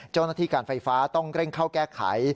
เจ้าหน้าที่การไฟฟ้าต้องเร่งเข้าแก้ไข